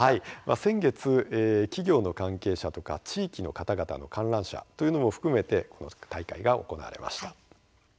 先月企業の関係者とか地域の方々の観覧者というのも含めてこの大会が行われました。